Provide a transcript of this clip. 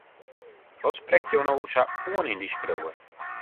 Wat sprekt jo no sa oan yn dy skriuwer?